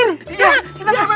kita terbebas dari bhanu